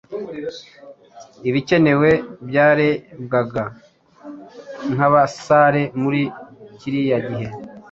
Ibikenewe byarebwagankabasare muri kiriya gihe